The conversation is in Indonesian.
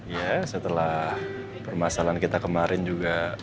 ya setelah permasalahan kita kemarin juga